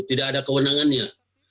tidak ada kewenangannya